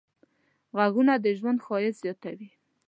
غږونه د ژوند ښایست زیاتوي.